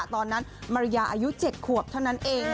ตอนนั้นมาริยาอายุ๗ขวบเท่านั้นเอง